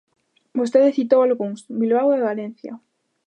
Vostede citou algúns, Bilbao e Valencia.